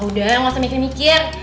udah gak usah mikir mikir